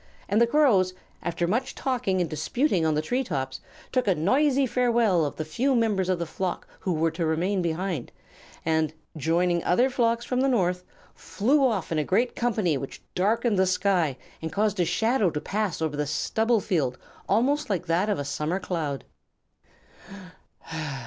And the Crows, after much talking and disputing on the tree tops, took a noisy farewell of the few members of the flock who were to remain behind, and, joining other flocks from the North, flew off in a great company which darkened the sky and caused a shadow to pass over the stubble field almost like that of a summer cloud.